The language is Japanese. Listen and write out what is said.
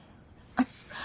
熱っ！